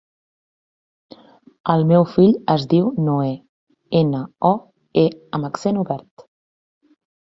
El meu fill es diu Noè: ena, o, e amb accent obert.